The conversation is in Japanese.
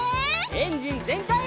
エンジンぜんかい！